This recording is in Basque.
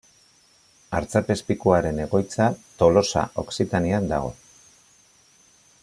Artzapezpikuaren egoitza Tolosa Okzitanian dago.